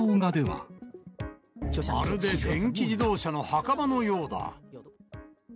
まるで電気自動車の墓場のようだ。